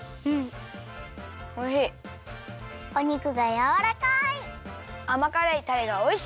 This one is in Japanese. おにくがやわらかい！